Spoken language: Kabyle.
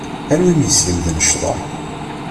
Anwa i am-yeslemden ccḍeḥ?